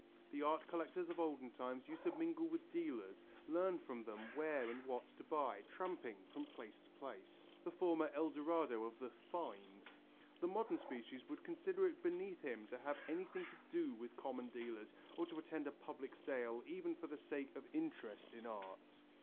The art collector of olden times used to mingle with dealers, learn from them where and what to buy, tramping from place to place, the former El Dorado of the "find." The modern species would consider it beneath him to have anything to do with common dealers or to attend a public sale even for the sake of interest in art.